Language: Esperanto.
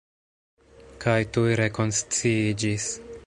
Kaj tuj rekonsciiĝis.